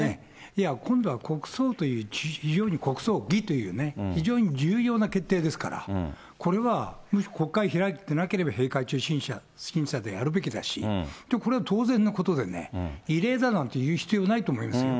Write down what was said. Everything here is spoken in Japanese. いや、今度は国葬という非常に、国葬儀という非常に重要な決定ですから、これはもし国会開いてなければ、閉会中審査でやるべきだし、これは当然のことでね、異例だなんて言う必要ないと思いますよ。